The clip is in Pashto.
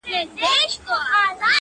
یو نن نه دی زه به څو ځلي راځمه.!